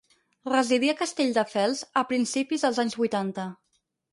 Residí a Castelldefels a principis dels anys vuitanta.